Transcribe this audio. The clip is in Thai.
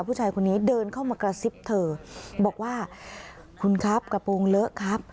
ผู้ชายคนนี้เดินเข้ามากระซิบเธอบอกว่าคุณครับกระโปรงเลอะครับ